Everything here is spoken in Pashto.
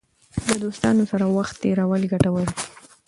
له دوستانو سره وخت تېرول ګټور دی.